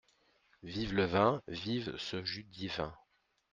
Vive le vin, Vive ce jus divin…